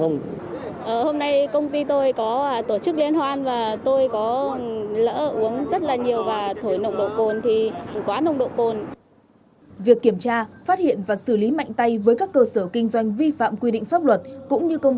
cũng như công tác tăng cường công an huyện tăng cường công an huyện tăng cường công an huyện tăng cường công an huyện tăng cường công an